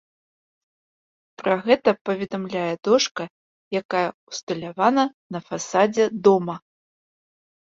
Пра гэта паведамляе дошка, якая ўсталявана на фасадзе дома.